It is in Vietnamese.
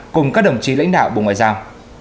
cùng các đồng chí lãnh đạo bộ ngoại giao